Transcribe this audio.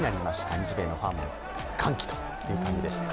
日米のファンも歓喜という感じでした。